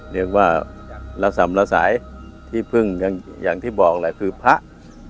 เรียกว่าระสำละสายที่พึ่งอย่างที่บอกแหละคือพระ